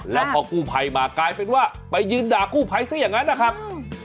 แล้วพอกู้ภัยมากลายเป็นว่าไปยืนด่ากู้ภัยซะอย่างนั้นนะครับ